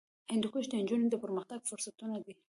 هندوکش د نجونو د پرمختګ فرصتونه دي.